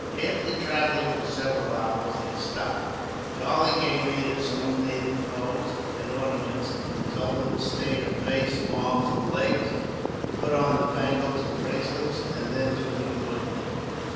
After travelling for several hours, they stopped. Charlie gave Ada some native clothes and ornaments, and told her to stain her face, arms, and legs, to put on the bangles and bracelets, and then to rejoin them.